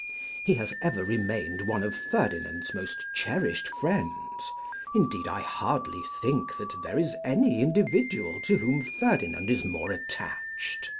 He has ever remained one of Ferdinand's most cherished friends; indeed, I hardly think that there is any individual to whom Ferdinand is more attached.